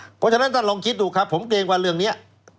เพราะฉะนั้นท่านลองคิดดูครับผมเกรงว่าเรื่องนี้